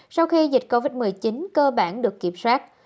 sau khi dịch covid một mươi chín cơ bản được kiểm soát